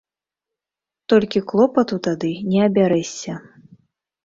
Толькі клопату тады не абярэшся.